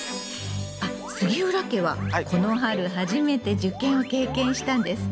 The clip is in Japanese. あっ杉浦家はこの春初めて受験を経験したんですって？